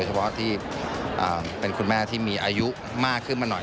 เฉพาะที่เป็นคุณแม่ที่มีอายุมากขึ้นมาหน่อย